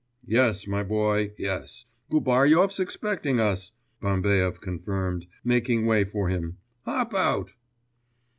'Yes, my boy, yes, Gubaryov's expecting us,' Bambaev confirmed, making way for him, 'hop out.